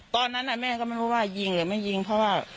ตอนนั้นแม่ก็ไม่รู้ว่ายิงหรือไม่ยิงเพราะว่า